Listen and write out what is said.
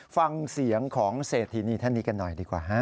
ฟังเสียงของเศรษฐีนีท่านนี้กันหน่อยดีกว่าฮะ